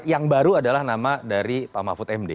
yang baru adalah nama dari pak mahfud md